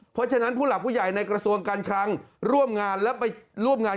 เพราะฉะนั้นผู้หลักผู้ใหญ่ในกระทรวงการคลังร่วมงานและไปร่วมงาน